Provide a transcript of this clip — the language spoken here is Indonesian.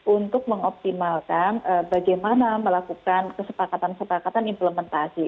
untuk mengoptimalkan bagaimana melakukan kesepakatan kesepakatan implementasi